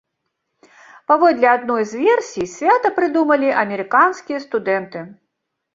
Паводле адной з версій, свята прыдумалі амерыканскія студэнты.